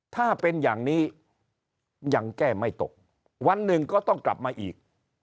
ถ้าเป็นอย่างนี้ยังแก้ไม่ตกวันหนึ่งก็ต้องกลับมาอีก